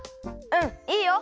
うんいいよ！